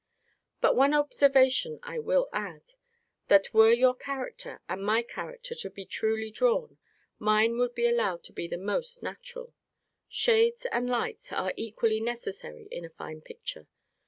But one observation I will add, that were your character, and my character, to be truly drawn, mine would be allowed to be the most natural. Shades and lights are equally necessary in a fine picture.